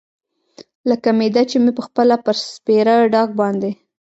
لکه معده چې مې پخپله پر سپېره ډاګ باندې.